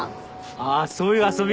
ああそういう遊び？